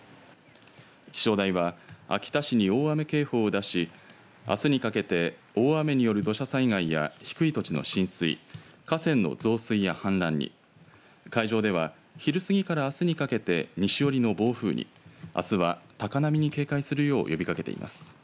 気象台は秋田市に大雨警報を出しあすにかけて大雨による土砂災害や低い土地の浸水河川の増水や氾濫に海上では昼過ぎからあすにかけて西寄りの暴風にあすは高波に警戒するよう呼びかけています。